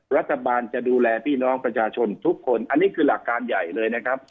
รัฐบาลจะดูแลพี่น้องประชาชนทุกคนอันนี้คือหลักการใหญ่เลยนะครับ